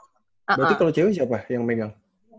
berarti kalau cewek siapa yang megang